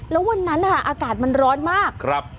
แล้ววันนั้นอากาศมันร้อนมากครับ